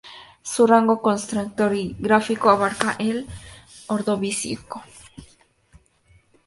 Su rango cronoestratigráfico abarca el Ordovícico.